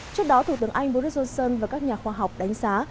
trước đó thủ tướng anh boris johnson và các nhà khoa học đánh giá